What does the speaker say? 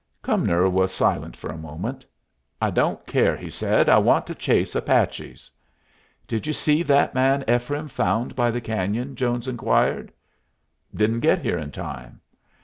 Cumnor was silent for a moment. "I don't care," he said. "I want to chase Apaches." "Did you see that man Ephraim found by the cañon?" Jones inquired. "Didn't get here in time."